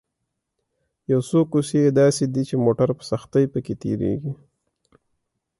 یو څو کوڅې یې داسې دي چې موټر په سختۍ په کې تېرېږي.